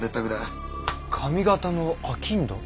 上方の商人？